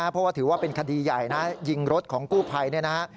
เพราะถือว่าเป็นคดีใหญ่ยิงรถของกู้ไพร